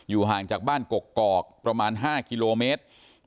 ห่างจากบ้านกกอกประมาณ๕กิโลเมตร